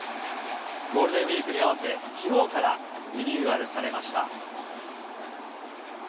ゴールデンウィークに合わせ、きのうからリニューアルされました。